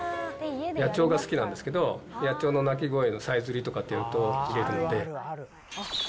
野鳥が好きなんですけど、野鳥の鳴き声のさえずりとかって入れると聴けるので。